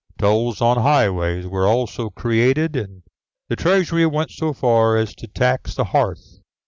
Tolls on highways were also created; and the treasury went so far as to tax the hearth.